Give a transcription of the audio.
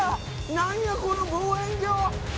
何やこの望遠鏡！